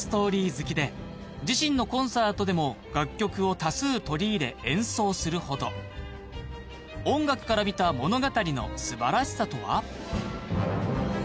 好きで自身のコンサートでも楽曲を多数取り入れ演奏するほど音楽から見た物語の素晴らしさとは？